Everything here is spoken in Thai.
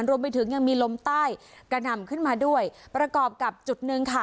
รวมไปถึงยังมีลมใต้กระหน่ำขึ้นมาด้วยประกอบกับจุดหนึ่งค่ะ